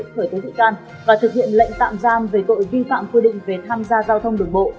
khởi tố vị can và thực hiện lệnh tạm giam về cội vi phạm quyết định về tham gia giao thông đường bộ